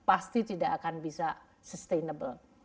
pasti tidak akan bisa sustainable